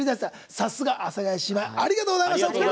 さすが、阿佐ヶ谷姉妹ありがとうございました。